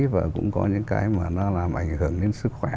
và cũng có những cái mà nó làm ảnh hưởng đến sức khỏe